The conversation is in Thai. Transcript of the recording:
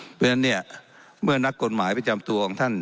เพราะฉะนั้นเนี่ยเมื่อนักกฎหมายประจำตัวของท่าน